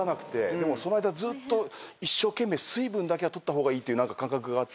でもその間ずっと一生懸命水分だけは取った方がいいっていう感覚があって。